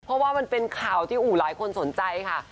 เพราะว่ามันเป็นข่าวที่อู่หลายคนสนใจค่ะ